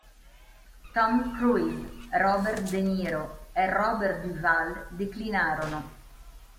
Tom Cruise, Robert De Niro e Robert Duvall declinarono.